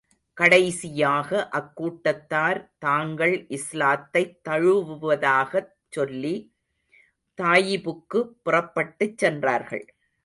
கடைசியாக, அக்கூட்டத்தார், தாங்கள் இஸ்லாத்தைத் தழுவுவதாகச் சொல்லி, தாயிபுக்குப் புறப்பட்டுச் சென்றார்கள்.